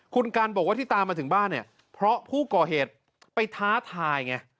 คุณกันบอกว่าที่ตามมาถึงบ้านเนี่ยเพราะผู้ก่อเหตุไปท้าทายไง